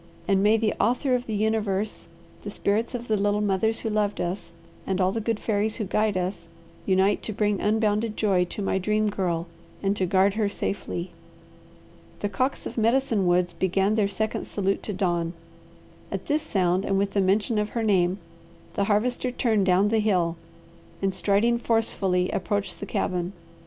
"And may the Author of the Universe, the spirits of the little mothers who loved us, and all the good fairies who guide us, unite to bring unbounded joy to my Dream Girl and to guard her safely." The cocks of Medicine Woods began their second salute to dawn. At this sound and with the mention of her name, the Harvester turned down the hill, and striding forcefully approached the cabin.